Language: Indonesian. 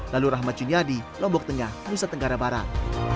lalu rahmat juniadi lombok tengah nusa tenggara barat